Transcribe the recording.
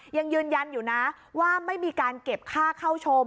ยังยืนยันอยู่นะว่าไม่มีการเก็บค่าเข้าชม